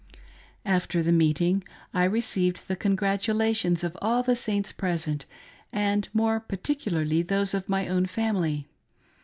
After the meeting, I received the congratulations of all the Saints pres'ent, and more particularly those of my own family.